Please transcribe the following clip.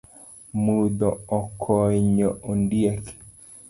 Mudho okonyo ondiek